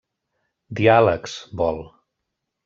Diàlegs, vol.